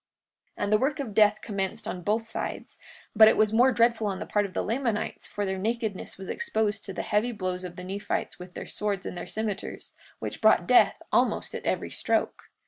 43:37 And the work of death commenced on both sides, but it was more dreadful on the part of the Lamanites, for their nakedness was exposed to the heavy blows of the Nephites with their swords and their cimeters, which brought death almost at every stroke.